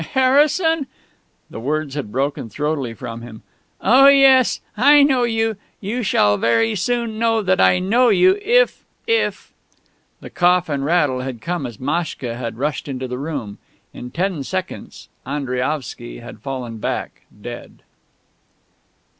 "Harrison?" the words had broken throatily from him.... "Oh yes; I know you!... You shall very soon know that I know you if... if..." The cough and rattle had come as Maschka had rushed into the room. In ten seconds Andriaovsky had fallen back, dead.